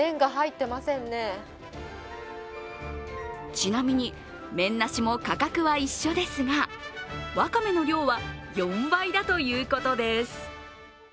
ちなみに麺なしも価格は一緒ですが、わかめの量は４倍だということです○